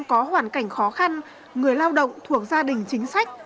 có hoàn cảnh khó khăn người lao động thuộc gia đình chính sách